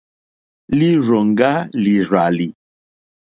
Lírzòŋɡá lìrzàlì.